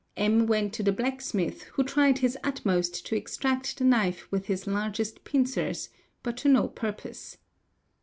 — M went to the blacksmith who tried his utmost to extract the knife with i his largest pincers but to no purpose.